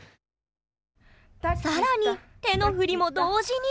更に手の振りも同時に！